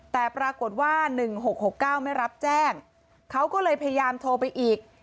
แต่ปรากฏว่า๑๖๖๙ไม่รับแจ้งเขาก็เลยพยายามโทรไปอีก